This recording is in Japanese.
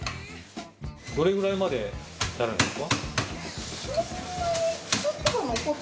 どれくらいまでやるんですか？